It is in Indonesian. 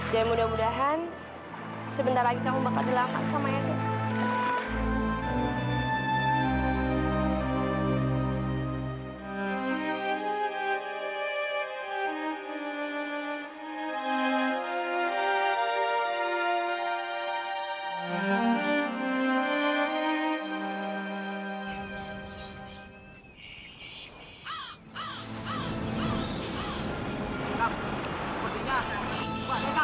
dan mudah mudahan kamu akan menikmati cincin ini